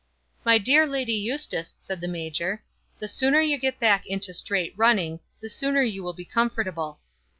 "My dear Lady Eustace," said the major, "the sooner you get back into straight running, the sooner you will be comfortable."